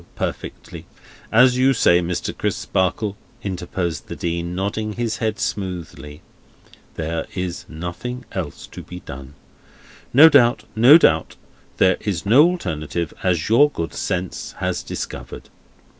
Perfectly. As you say, Mr. Crisparkle," interposed the Dean, nodding his head smoothly, "there is nothing else to be done. No doubt, no doubt. There is no alternative, as your good sense has discovered."